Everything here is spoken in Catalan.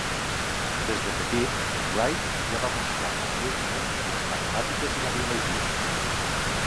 Des de petit, Wright ja va mostrar passió i talent per les matemàtiques i la biologia.